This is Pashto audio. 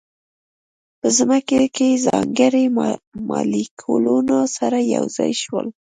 په ځمکه کې ځانګړي مالیکولونه سره یو ځای شول.